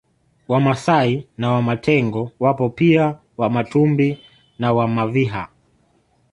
Wamasai na Wamatengo wapo pia Wamatumbi na Wamaviha